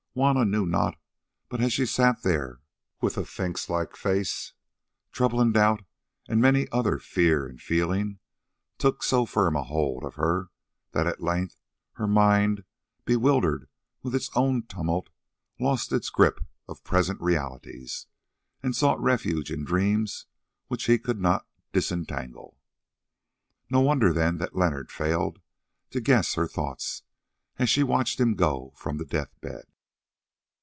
Juanna knew not; but as she sat there with a sphinx like face, trouble and doubt, and many another fear and feeling, took so firm a hold of her that at length her mind, bewildered with its own tumult, lost its grip of present realities, and sought refuge in dreams which he could not disentangle. No wonder, then, that Leonard failed to guess her thoughts, as she watched him go from the death bed.